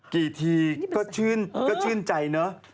กี่ทีก็ชื่นใจเนอะ